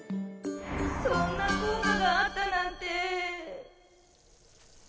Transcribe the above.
そんな効果があったなんて。